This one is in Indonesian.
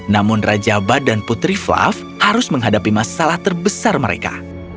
namun raja abad dan putri fluff harus menghadapi masalah terbesar mereka